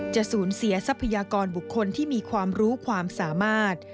จะสูญเสียทรัพยากรบุคคลที่มีความรู้ความสามารถ